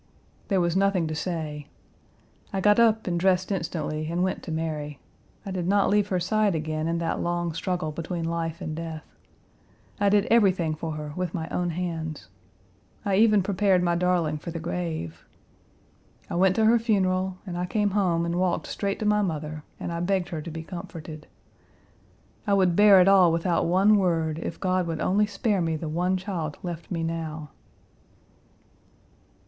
There was nothing to say. I got up and dressed instantly and went to Mary. I did not leave her side again in that long struggle between life and death. I did everything for her with my own hands. I even prepared my darling for the grave. I went to her funeral, and I came home and walked straight to my mother and I begged her to be comforted; I would bear it all without one word if God would only spare me the one child left me now."